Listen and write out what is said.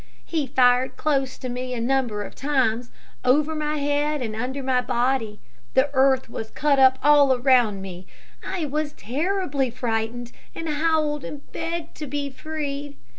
He fired close to me a number of times over my head and under my body. The earth was cut up all around me. I was terribly frightened, and howled and begged to be freed.